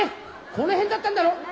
この辺だったんだろ？